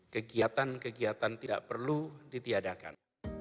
kegiatan kegiatan tidak perlu ditiadakan